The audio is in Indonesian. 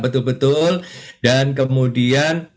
betul betul dan kemudian